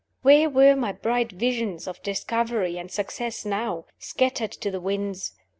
Where were my bright visions of discovery and success now? Scattered to the winds!